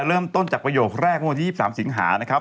เริ่มต้นจากประโยคแรกเมื่อวันที่๒๓สิงหานะครับ